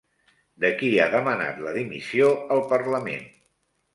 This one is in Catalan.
De qui ha demanat la dimissió el parlament?